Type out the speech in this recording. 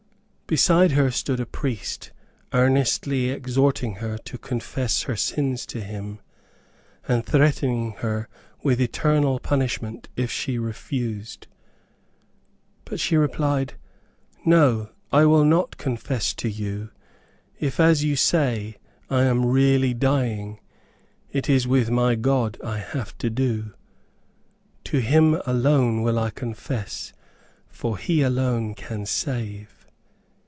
Beside her stood a priest, earnestly exhorting her to confess her sins to him, and threatening her with eternal punishment if she refused. But she replied, "No, I will not confess to you. If, as you say, I am really dying, it is with my God I have to do; to him alone will I confess, for he alone can save."